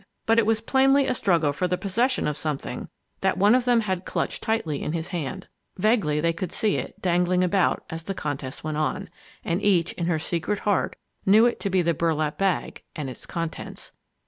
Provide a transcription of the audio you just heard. But it was plainly a struggle for the possession of something that one of them had clutched tightly in his hand. Vaguely they could see it, dangling about, as the contest went on. And each, in her secret heart, knew it to be the burlap bag and its contents!